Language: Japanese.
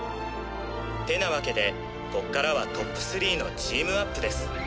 てなワケでこっからはトップ３のチームアップです！